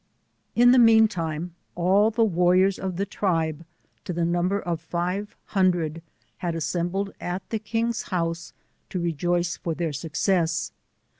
In the mean time, all the warriors of the tribe, to the number of five hundred, had assembled at the king's house, to rejoice for their success.